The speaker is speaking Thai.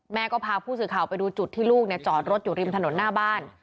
แม่ก็พาผู้สื่อข่าวไปดูจุดที่ลูกจอดรถอยู่ริมถนนหน้าบ้าน